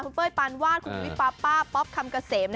คุณเป้ยปานวาสคุณวิปป้าป๊อบคำกะเสม